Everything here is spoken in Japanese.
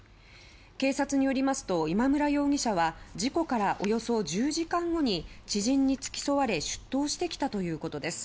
警察によりますと今村容疑者は事故からおよそ１０時間後に知人に付き添われ出頭してきたということです。